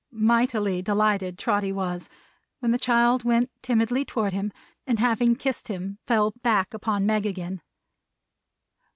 Mightily delighted Trotty was, when the child went timidly toward him, and having kissed him, fell back upon Meg again.